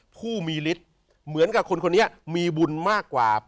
ผู้มีฤทธิ์เหมือนกับคนคนนี้มีบุญมากกว่า